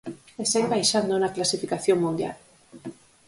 E segue baixando na clasificación mundial.